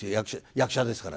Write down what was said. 役者ですから。